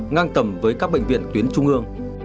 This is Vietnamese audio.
ngang tầm với các bệnh viện tuyến trung ương